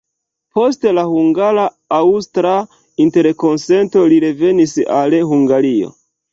Post la hungara-aŭstra interkonsento, li revenis al Hungario.